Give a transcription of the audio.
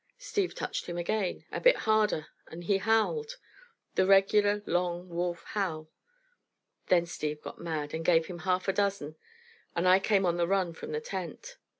Steve touched him again, a bit harder, and he howled the regular long wolf howl. Then Steve got mad and gave him half a dozen, and I came on the run from the tent.